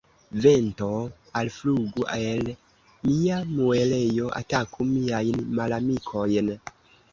Vento, alflugu el mia muelejo, ataku miajn malamikojn!